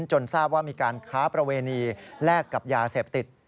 จนทราบว่ามีการค้าประเวณีแลกกับยาเสพติด